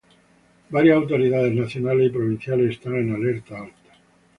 Varias autoridades nacionales y provinciales están en alerta alta.